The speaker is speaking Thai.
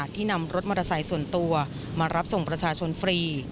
ที่นำรถมอเตอร์ไซค์ส่วนตัวมารับส่งประชาชนฟรี